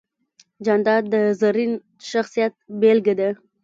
جانداد د زرین شخصیت بېلګه ده.